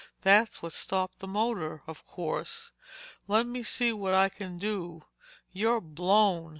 That's what stopped the motor, of course. Let me see what I can do. You're blown."